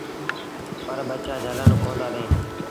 پر ٻچآ جھلڻ ڪوندآ ڏيݩ۔